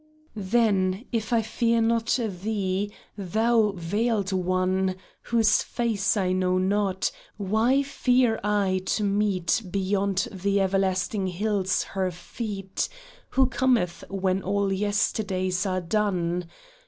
Then, if I fear not thee, thou veiled One Whose face I know not, why fear I to meet Beyond the everlasting hills her feet Who cometh when all Yesterdays are done